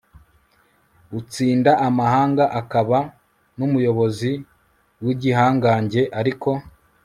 utsinda amahanga akaba n umuyobozi w igihangange Ariko